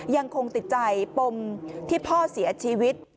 ยังคงติดใจปมที่พ่อเสียชีวิต